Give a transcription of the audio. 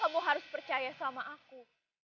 kamu harus percaya sama aku